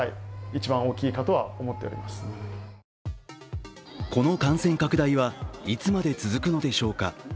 クリニックの院長はこの感染拡大は、いつまで続くのでしょうか。